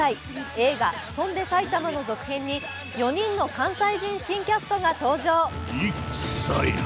映画「翔んで埼玉」の続編に４人の関西人新キャストが登場。